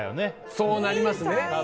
そうなりますね。